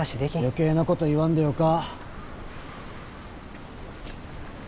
余計なこと言わんでよか。